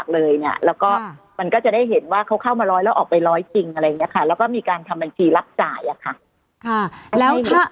แล้วก็มีการทำบัญชีรับจ่ายอะค่ะ